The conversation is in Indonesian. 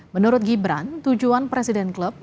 menurut gibran tujuan presiden klub